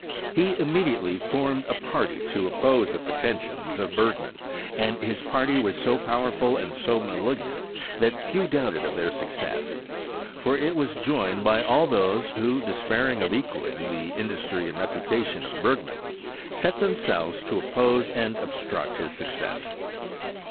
He immediately formed a party to oppose the pretensions of Bei^man; and his party was so powerful and so malignant, that few doubted of their success : for it was joined by all those who, despairing of equalling the mdustry and reputation of Bergman, set themselves to oppose and obstruct his success.